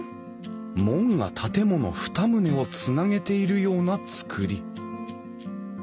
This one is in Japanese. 門が建物２棟をつなげているような造り。